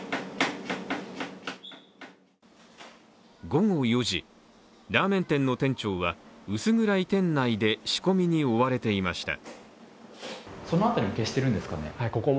午後４時、ラーメン店の店長は薄暗い店内で仕込みに追われていました。